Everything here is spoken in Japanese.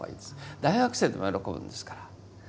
大学生でも喜ぶんですから。